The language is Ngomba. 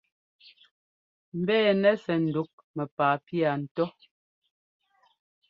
Mbɛ́ɛnɛ sɛ ŋdǔk mɛ́paa pía ńtó.